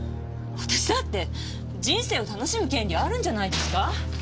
私だって人生を楽しむ権利あるんじゃないですか？